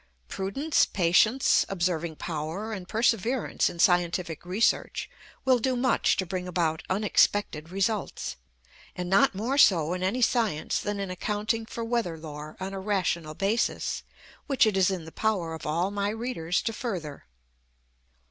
Prudence, patience, observing power, and perseverance in scientific research will do much to bring about unexpected results, and not more so in any science than in accounting for weather lore on a rational basis, which it is in the power of all my readers to further.